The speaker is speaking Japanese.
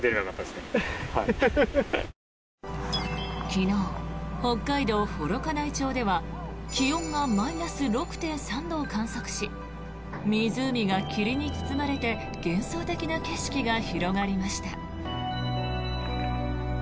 昨日、北海道幌加内町では気温がマイナス６．３度を観測し湖が霧に包まれて幻想的な景色が広がりました。